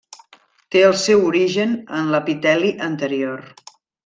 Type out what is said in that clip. Té el seu origen en l'epiteli anterior.